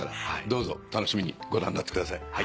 どうぞ楽しみにご覧になってください。